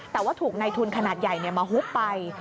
แต่ว่าถูกในทุนขนาดใหญ่มาฮุบไป